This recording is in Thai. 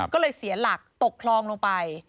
ก็เลยเสียหลักตกคลองลงไป